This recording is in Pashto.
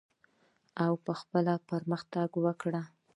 او په خپله پرمختګ وکړه.